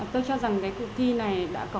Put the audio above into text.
tôi cho rằng cái cuộc thi này đã có